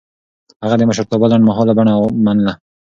هغه د مشرتابه لنډمهاله بڼه منله.